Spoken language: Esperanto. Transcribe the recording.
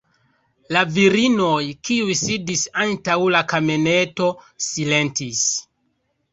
La virinoj, kiuj sidis antaŭ la kameneto, silentis.